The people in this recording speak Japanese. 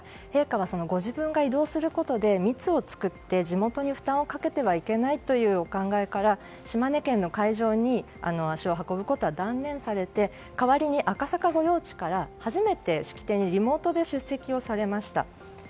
陛下はご自分が移動することで密を作って地元に負担をかけてはいけないというお考えから島根県の会場に足を運ぶことは断念されて代わりに、赤坂御用地から初めて式典にリモートで出席されました。